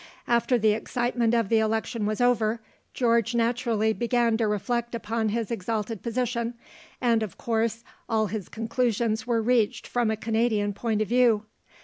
After the excitement of the election was over, George naturally began to reflect upon his exalted position, and, of course, all his conclusions were reached from a Canadian point of view.